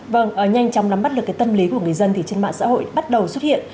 vâng nhanh chóng nắm bắt được cái tâm lý của người dân thì trên mạng xã hội bắt đầu xuất hiện